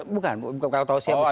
bukan bukan kalau tausiah besar